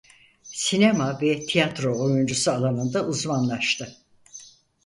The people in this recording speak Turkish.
Sinema ve tiyatro oyuncusu alanında uzmanlaştı.